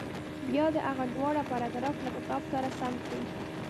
بیا دې هغه دواړه پاراګراف له کتاب سره سم کړي.